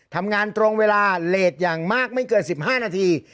ทำงานตรงเวลาเลสอย่างมากไม่เกิน๑๕นาที